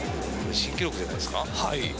新記録じゃないですか。